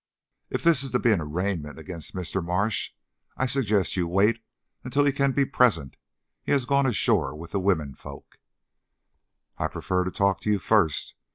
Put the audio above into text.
"If this is to be an arraignment of Mr. Marsh, I suggest that you wait until he can be present. He has gone ashore with the women folks." "I prefer to talk to you, first.